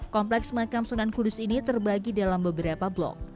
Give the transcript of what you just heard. kompleks makam sunan kudus ini terbagi dalam beberapa blok